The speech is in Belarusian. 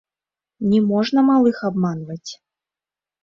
Не можна малых абманваць.